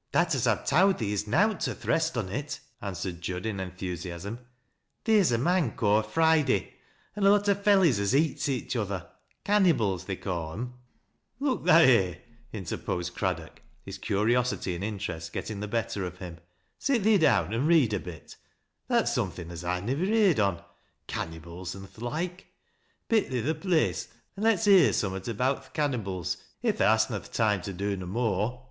" That as I've towd thee is nowt to th' rest on it,'' answered Jud in enthusiasm. " Theer's a men ca'd Friday, an' a lot o' fellys as eats each other — cannybles they ca' 'em " "Look tha here," interposed Craddock, his curiosity and interest getting the better of him. " Sit thee down and read a bit. That's something as I nivver heard on— cannybles an' th' loike. Pick thee th' place, an' let's lioar Bummat about th' cannybles if tha has na th' toime to do no more."